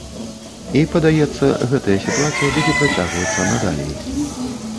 І, падаецца, гэтая сітуацыя будзе працягвацца надалей.